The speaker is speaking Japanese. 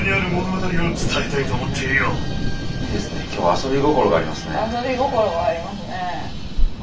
遊び心がありますね。